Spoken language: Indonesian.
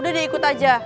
udah dia ikut aja